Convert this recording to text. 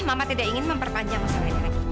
mama tidak ingin memperpanjang masalah ini